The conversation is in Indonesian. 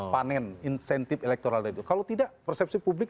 panen insentif elektoral tadi kalau tidak persepsi publik